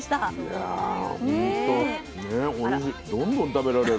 どんどん食べられる。